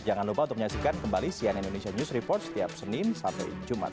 jangan lupa untuk menyaksikan kembali cnn indonesia news report setiap senin sampai jumat